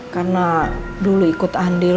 karena dulu ikut andil